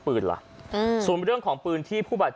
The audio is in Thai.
พี่บ้านไม่อยู่ว่าพี่คิดดูด